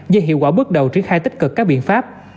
do hiệu quả bước đầu triển khai tích cực các biện pháp